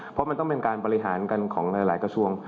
เพราะมันต้องเป็นการบริหารกันของหลายกระทรวง